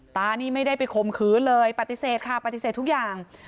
ตานี่ไม่ได้ไปข่มขืนเลยปฏิเสธค่ะปฏิเสธทุกอย่าง